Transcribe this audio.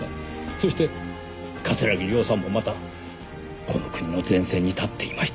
そして桂木涼さんもまたこの国の前線に立っていました。